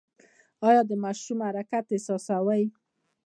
ایا د ماشوم حرکت احساسوئ؟